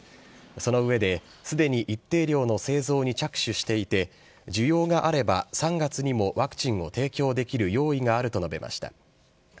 その上で、すでに一定量の製造に着手していて、需要があれば３月にもワクチンを提供できる用意があると述べました。